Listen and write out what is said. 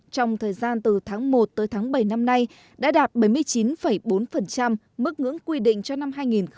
trong thời gian từ tháng một tới tháng bảy năm nay đã đạt bảy mươi chín bốn mức ngưỡng quy định cho năm hai nghìn hai mươi